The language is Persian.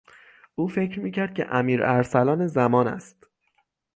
او فکر میکرد که امیر ارسلان زمان است.